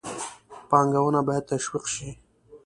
پانګونه باید تشویق شي.